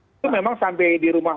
itu memang sampai di rumah